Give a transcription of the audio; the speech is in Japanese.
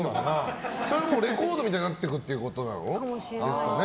それはレコードみたいになっていくってことなんですかね。